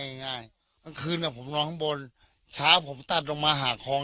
ง่ายง่ายกลางคืนผมนอนข้างบนเช้าผมตัดลงมาหาคลอง